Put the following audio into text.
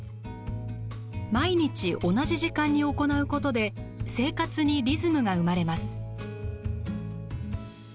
毎日、同じ時間に行うことで生活にリズムが生まれます。